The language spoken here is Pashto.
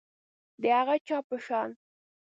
د هغه چا په شان